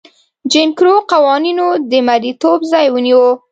جیم کرو قوانینو د مریتوب ځای ونیو.